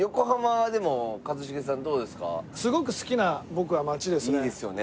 すごく好きな僕は街ですね。